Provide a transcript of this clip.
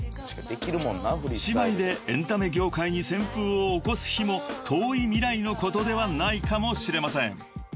［姉妹でエンタメ業界に旋風を起こす日も遠い未来のことではないかもしれません］